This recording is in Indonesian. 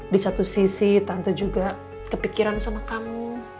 di satu sisi tante juga kepikiran sama kamu